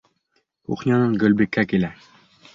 Кухнянан Гөлбикә килә.